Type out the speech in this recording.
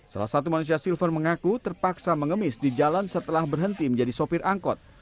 salah satu manusia silver mengaku terpaksa mengemis di jalan setelah berhenti menjadi sopir angkot